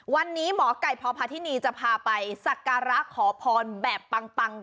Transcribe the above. วันนี้หมอไก่พพาธินีจะพาไปสักการะขอพรแบบปัง